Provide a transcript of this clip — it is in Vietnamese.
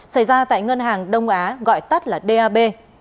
xảy ra tại ngân hàng đông á gọi tắt là dab